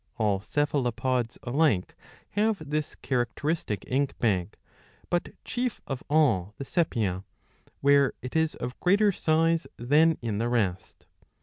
All Cephalopods alike have this characteristic ink bag, but chief of all the sepia, where it is of greater size than in the rest.'